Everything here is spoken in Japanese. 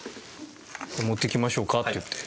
「持ってきましょうか」って言って。